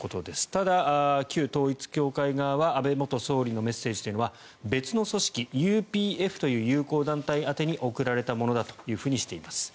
ただ、旧統一教会側は安倍元総理のメッセージというのは別の組織ＵＰＦという友好団体宛てに送られたものだというふうにしています。